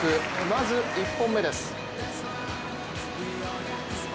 まず１本目です。